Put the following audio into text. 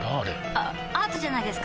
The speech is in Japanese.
あアートじゃないですか？